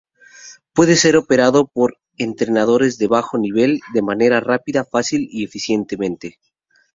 Puede ser operado por entrenadores de bajo nivel de manera rápida, fácil y eficientemente.